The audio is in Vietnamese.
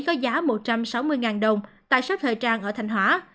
có giá một trăm sáu mươi đồng tại shop thời trang ở thành hóa